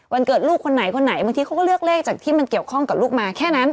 เกิดลูกคนไหนคนไหนบางทีเขาก็เลือกเลขจากที่มันเกี่ยวข้องกับลูกมาแค่นั้น